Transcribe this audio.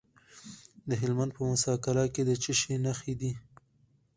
د هلمند په موسی قلعه کې د څه شي نښې دي؟